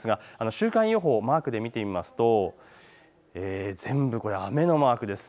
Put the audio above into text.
週間予報をマークで見てみると全部、雨のマークです。